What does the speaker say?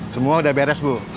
semua udah beres bu